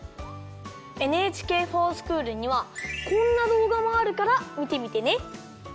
ＮＨＫｆｏｒＳｃｈｏｏｌにはこんなどうがもあるからみてみてね。